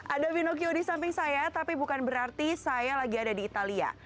ada pinocchio di samping saya tapi bukan berarti saya lagi ada di italia